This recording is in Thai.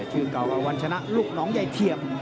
ชื่อเก่ากับวันชนะลูกน้องยายเทียม